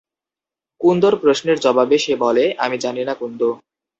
কুন্দর প্রশ্নের জবাবে সে বলে, আমি জানি না কুন্দ।